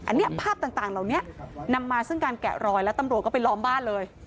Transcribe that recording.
อันนี้ภาพต่างเหล่านี้นำมาซึ่งการแกะรอยแล้วตำรวจก็ไปล้อมบ้านเลย